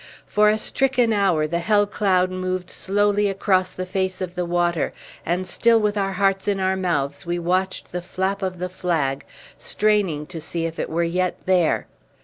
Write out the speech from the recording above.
For a stricken hour the hell cloud moved slowly across the face of the water, and still with our hearts in our mouths we watched the flap of the flag, straining to see if it were yet there.